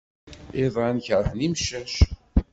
Iḍan keṛhen imcac.